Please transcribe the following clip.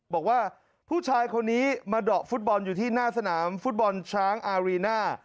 บอกว่าผู้ชายคนนี้มาเดาะฟุตบอลอยู่ที่หน้าสนามฟุตบอลช้างอารีน่า